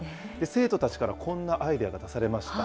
生徒たちからこんなアイデアが出されました。